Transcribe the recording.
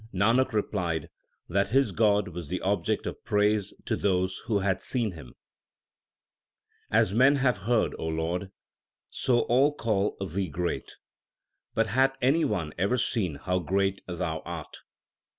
Nanak replied that his God was the object of praise to those who had seen Him : As men have heard, Lord, so all call Thee great ; But hath any one ever seen how great Thou art